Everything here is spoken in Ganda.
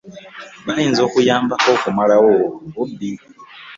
Bayinza okuyambako okumalawo obubbi.